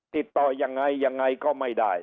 ติดต่อยังไงยังไงก็ไม่ได้